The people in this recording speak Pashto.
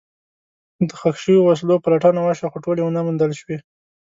د ښخ شوو وسلو پلټنه وشوه، خو ټولې ونه موندل شوې.